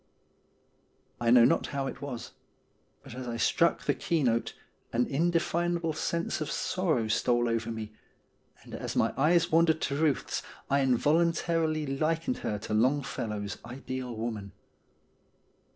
I know not how it was, but as I struck the key note an indefinable sense of sorrow stole over me, and as my eyes wandered to Ruth's I involuntarily likened her to Longfellow's ideal woman.